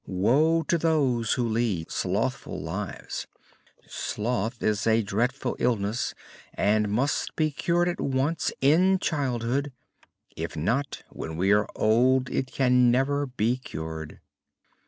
Woe to those who lead slothful lives. Sloth is a dreadful illness and must be cured at once, in childhood. If not, when we are old it can never be cured."